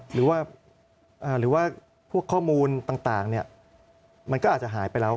หรือว่าพวกข้อมูลต่างมันก็อาจจะหายไปแล้ว